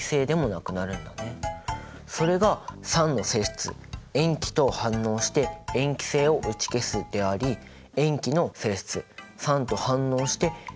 それが酸の性質塩基と反応して塩基性を打ち消すであり塩基の性質酸と反応して酸性を打ち消すということなんだ。